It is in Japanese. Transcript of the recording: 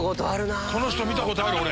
この人見たことある俺。